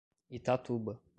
Itatuba